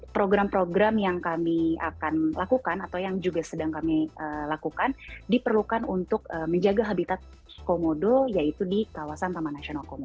program program yang kami akan lakukan atau yang juga sedang kami lakukan diperlukan untuk menjaga habitat komodo yaitu di kawasan taman nasional komodo